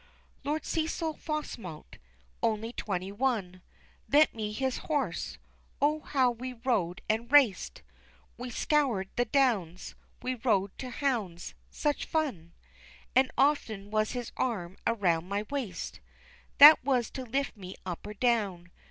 "Lord Cecil Fossmote, only twenty one, Lent me his horse. Oh, how we rode and raced! We scoured the downs we rode to hounds such fun! And often was his arm around my waist That was to lift me up or down.